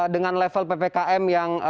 dengan level ppkm yang